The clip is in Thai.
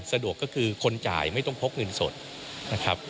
สะดวกก็คือคนจ่ายไม่ต้องพกเงินสดนะครับ